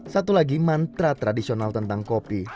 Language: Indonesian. satu lagi mantra tradisional tentang kopi